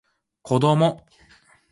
こども